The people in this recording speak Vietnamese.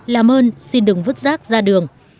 làm ơn xin đừng vứt rác ra đường